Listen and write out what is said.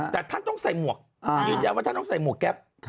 แต่ท่านต้องใส่หมวกยืนยันว่าท่านต้องใส่หมวกแก๊ป